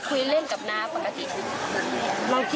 เขาทำขนมเขาก็จะเอามาให้แม่ชิม